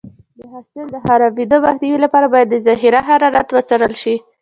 د حاصل د خرابېدو مخنیوي لپاره باید د ذخیره حرارت وڅارل شي.